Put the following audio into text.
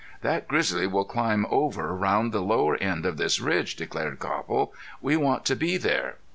"That grizzly will climb over round the lower end of this ridge," declared Copple. "We want to be there."